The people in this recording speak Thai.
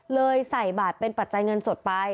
ใส่บาทเป็นปัจจัยเงินสดไป